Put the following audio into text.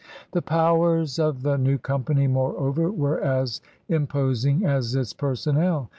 The powers of the new Company, moreover, were as imposing as its personnel.